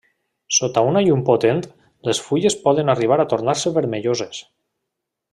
Sota una llum potent les fulles poden arribar a tornar-se vermelloses.